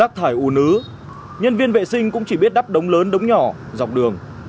rác thải u nứ nhân viên vệ sinh cũng chỉ biết đắp đống lớn đống nhỏ dọc đường